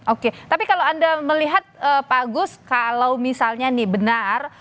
oke tapi kalau anda melihat pak agus kalau misalnya nih benar